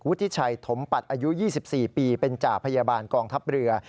ทิชัยถมปัดอายุ๒๔ปีเป็นจ่าพยาบาลกองทัพเรือ